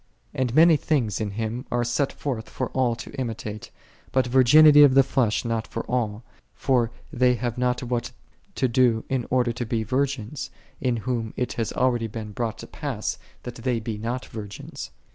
And many things in Him are set forth for all to imitate: but virginity of the flesh not for all; for they have not what to do in order to be virgins, in whom it hath been already brought to pass that they be not virgins.